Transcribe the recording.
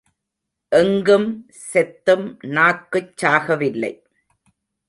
எங்கும் செத்தும் நாக்குச் சாகவில்லை.